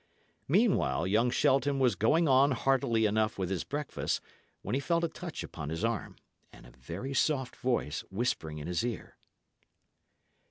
Meanwhile, young Shelton was going on heartily enough with his breakfast, when he felt a touch upon his arm, and a very soft voice whispering in his ear.